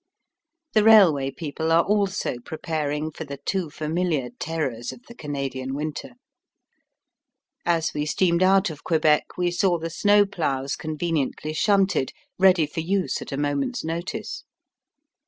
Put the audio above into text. The railway people are also preparing for the too familiar terrors of the Canadian winter. As we steamed out of Quebec we saw the snow ploughs conveniently shunted, ready for use at a moment's notice.